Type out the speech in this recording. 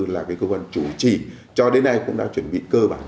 là cái cơ quan chủ trì cho đến nay cũng đã chuẩn bị cơ bản